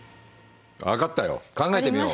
分かったよ考えてみよう。